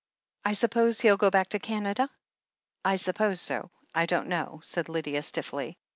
I suppose he'll go back to Gmada?" "I suppose so. I don't know," said Lydia stiffly.